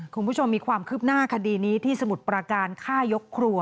คุณผู้ชมมีความคืบหน้าคดีนี้ที่สมุทรประการฆ่ายกครัว